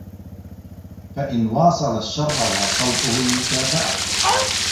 فَإِنْ وَاصَلَ الشَّرَّ وَاصَلْته الْمُكَافَأَةُ